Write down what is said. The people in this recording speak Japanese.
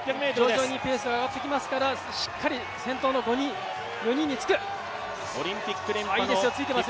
徐々にペースが上がってきますからしっかり先頭の４人につく。